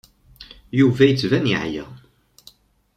Yuba yettban yeɛya.